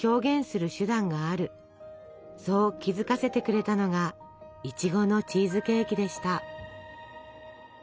そう気付かせてくれたのがいちごのチーズケーキでした。